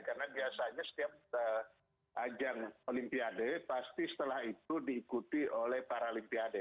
karena biasanya setiap ajang olimpiade pasti setelah itu diikuti oleh paralimpiade